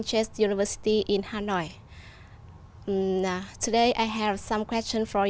cái giọng tôi không tốt lắm